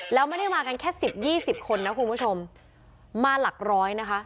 แล้วไม่ได้มากันแค่สิบยี่สิบคนนะคุณผู้ชมมาหลักร้อยนะคะ